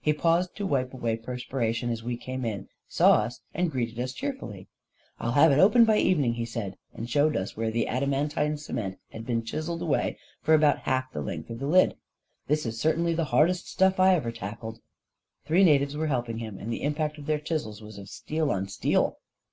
He paused to wipe away the perspiration, as we came in, saw us, and greeted us cheerfully. 41 I'll have it open by evening," he said, and showed us where the adamantine cement had been chiselled away for about half the length of the lid. " This is certainly the hardest stuff I ever tackled." Three natives were helping him, and the impact of their chisels was of steel on steel.